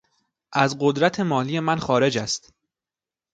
از قدرت مالی من خارج است.